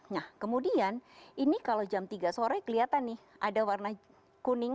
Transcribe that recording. nah kemudian ini kalau jam tiga sore kelihatan nih ada warna kuning